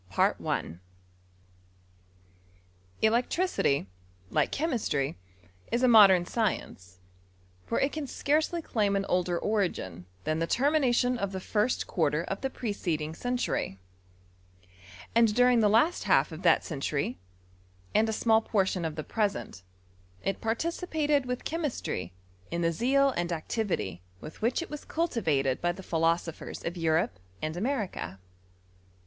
, 251 CHAPTER V. OF BLBCTBO CHEBCIBTRT. Ei«ECTRJCiTYy like chemistry, is a modern science;: lor it can scarcely claim an older origin tkan the ter miBStmn of the first quarter of the preceding century ; and during the last half of that century, and a small pnaction of the present, it participated with chemistry itt tiie zeal and activity with which it was cultivated by ^e: philosophers of Europe and America.